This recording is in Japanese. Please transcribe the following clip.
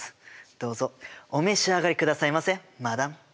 どうぞお召し上がりくださいませマダム。